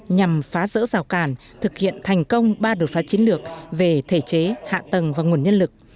nhằm phá rỡ rào cản thực hiện thành công ba đột phá chiến lược về thể chế hạ tầng và nguồn nhân lực